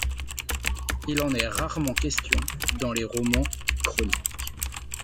Il en est rarement question dans les romans et chroniques.